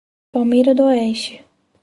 Palmeira d'Oeste